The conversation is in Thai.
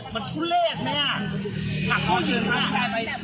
มันทุเรศไหมอ่ะหักพ่อเย็นมาก